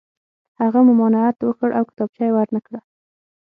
هغه ممانعت وکړ او کتابچه یې ور نه کړه